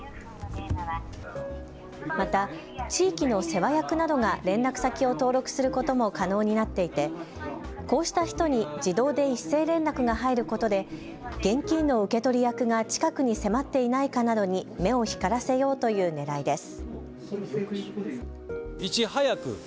また地域の世話役などが連絡先を登録することも可能になっていてこうした人に自動で一斉連絡が入ることで現金の受け取り役が近くに迫っていないかなどに目を光らせようというねらいです。